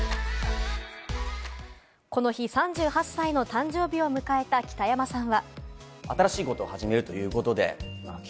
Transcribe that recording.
この日、３８歳の誕生日を迎えた北山さん。